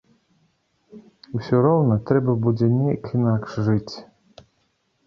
Усё роўна трэба будзе нейк інакш жыць.